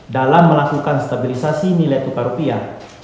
dalam melakukan stabilisasi nilai tukar rupiah